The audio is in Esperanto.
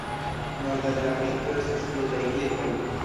Norde de la pinto estas krutaj klifoj.